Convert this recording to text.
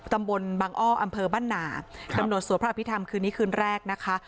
ตำบลบังอ้ออำเภอบ้านหนาตำรวจสวดพระอภิษฐรรมคืนนี้คืนแรกนะคะ